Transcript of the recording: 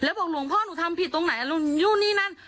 แล้วบอกลูกพ่อหนูทำผิดตรงไหนครับอยู่นี่นั่น